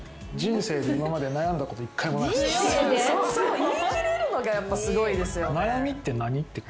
言い切れるのがすごいですよね。